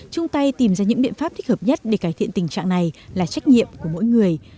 chung tay tìm ra những biện pháp thích hợp nhất để cải thiện tình trạng này là trách nhiệm của mỗi người